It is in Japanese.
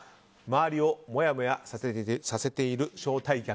周りをもやもやさせている招待客。